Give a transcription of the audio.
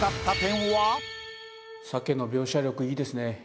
鮭の描写力いいですね。